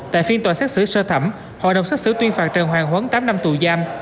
tại phiên tòa xét xử sơ thẩm hội đồng xét xử tuyên phạt trần hoàng huấn tám năm tù giam